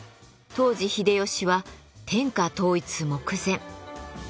当時秀吉は天下統一目前。